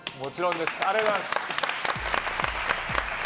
ありがとうございます。